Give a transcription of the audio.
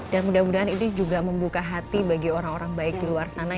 dan mudah mudahan ini juga membuka hati bagi orang orang baik di luar sana